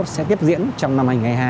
sẽ tiếp diễn trong năm hai nghìn hai mươi hai